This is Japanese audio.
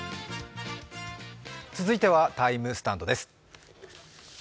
続いてはＴＩＭＥスタンドです。